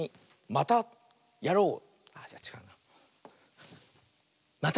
「またやろう！」。